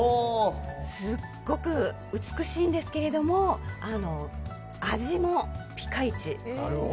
すごく美しいんですけれども味もピカイチ。